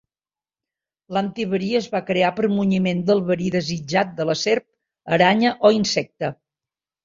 L'antiverí es va crear per munyiment del verí desitjat de la serp, aranya o insecte.